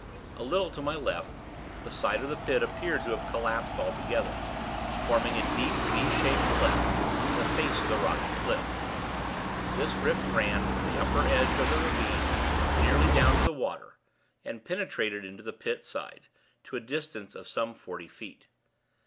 A little to my left, the side of the Pit appeared to have collapsed altogether, forming a deep V shaped cleft in the face of the rocky cliff. This rift ran, from the upper edge of the ravine, nearly down to the water, and penetrated into the Pit side, to a distance of some forty feet.